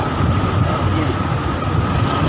๒๐สัปดิษฐ์